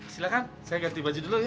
silahkan saya ganti baju dulu ya